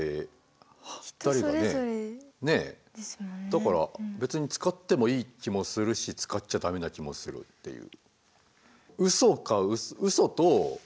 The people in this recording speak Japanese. だから別に使ってもいい気もするし使っちゃ駄目な気もするっていう。